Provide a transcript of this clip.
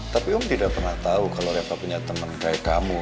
tapi om tidak pernah tau kalo reva punya temen kayak kamu